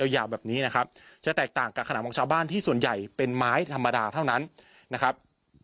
ยาวแบบนี้นะครับจะแตกต่างกับขนำของชาวบ้านที่ส่วนใหญ่เป็นไม้ธรรมดาเท่านั้นนะครับ